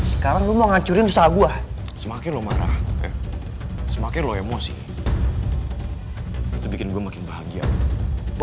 sekarang mau ngacurin usaha gua semakin lo marah semakin lo emosi bikin gue bahagia bahagia banget